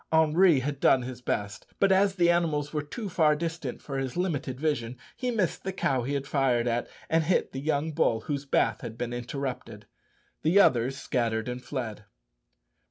Henri had done his best, but as the animals were too far distant for his limited vision, he missed the cow he fired at, and hit the young bull whose bath had been interrupted. The others scattered and fled.